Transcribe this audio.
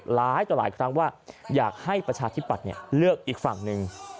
หลายต่อหลายครั้งว่าอยากให้ประชาธิปัตย์เลือกอีกฝั่งหนึ่ง